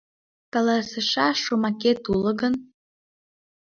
Каласышаш шомакет уло гын.